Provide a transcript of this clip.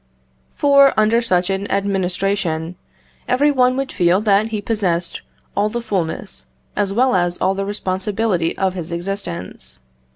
For, under such an administration, every one would feel that he possessed all the fulness, as well as all the responsibility of his existence.